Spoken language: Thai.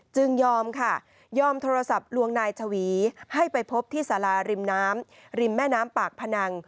ยอมค่ะยอมโทรศัพท์ลวงนายชวีให้ไปพบที่สาราริมน้ำริมแม่น้ำปากพนัง